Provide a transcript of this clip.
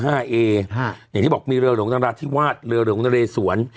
อย่างที่บอกมีเรือยู่ในราธิวาสเรือยู่ในเรือหลวงตะเลสวร